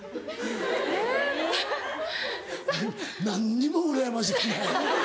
・えっ・何にもうらやましくない。